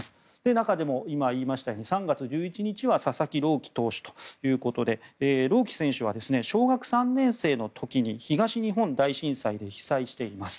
中でも今言いましたように３月１１日は佐々木朗希選手ということで朗希選手は小学３年生の時に東日本大震災で被災しています。